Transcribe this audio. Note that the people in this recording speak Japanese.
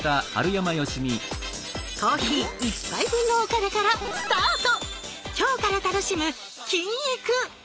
コーヒー１杯分のお金からスタート！